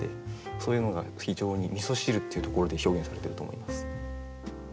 そういうのが非常に「味汁」っていうところで表現されてると思います。